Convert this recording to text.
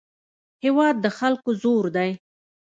هېواد د خلکو زور دی.